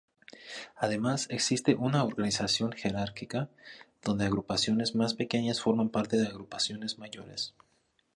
Además, existe una organización jerárquica donde agrupaciones más pequeñas forman parte de agrupaciones mayores.